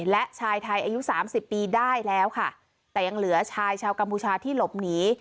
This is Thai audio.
และชายไทยอายุสามสิบปีได้แล้วค่ะแต่ยังเหลือชายชาวกัมพูชาที่หลบหนี